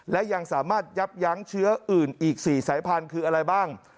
และยังสามารถยับยั้งเชื้ออื่นอีก๔สายพันธุ์คืออะไรบ้าง